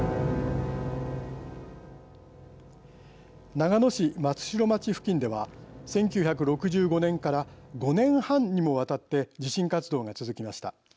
長野市松代町付近では１９６５年から５年半にもわたって地震活動が続きました。